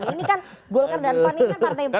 ini kan golkar dan pan ini kan partai besar